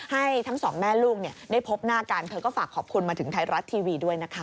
ให้ทั้งสองแม่ลูกได้พบหน้ากันเธอก็ฝากขอบคุณมาถึงไทยรัฐทีวีด้วยนะคะ